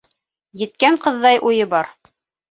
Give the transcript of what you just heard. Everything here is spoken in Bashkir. Еткән ҡыҙҙай уйы бар.